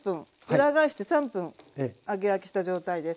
裏返して３分揚げ焼きした状態です。